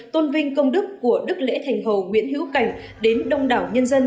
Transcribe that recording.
tôn vinh công đức của đức lễ thành hầu nguyễn hữu cảnh đến đông đảo nhân dân